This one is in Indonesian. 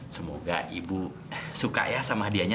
semoga ibu suka ya sama hadiahnya